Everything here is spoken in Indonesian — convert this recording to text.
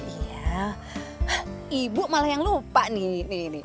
iya ibu malah yang lupa nih ini